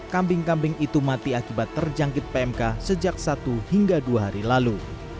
kambing kambing itu mati akibat terjangkit pmk sejak satu hingga dua hari lalu